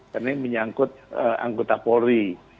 karena ini menyangkut anggota polri